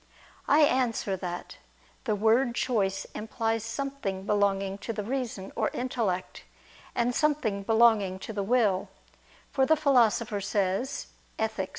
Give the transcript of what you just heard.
I answer that, The word choice implies something belonging to the reason or intellect, and something belonging to the will: for the Philosopher says (Ethic.